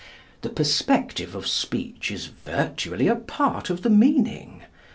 The perspective of speech is virtually a part of the meaning.